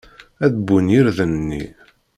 Ad wwen yirden-nni.